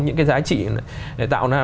những cái giá trị để tạo ra